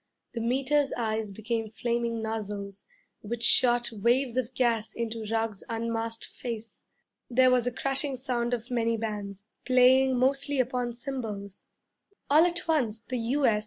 The Meter's eyes became flaming nozzles, which shot waves of gas into Ruggs's unmasked face. There was a crashing sound of many bands, playing mostly upon cymbals. All at once the 'U.S.'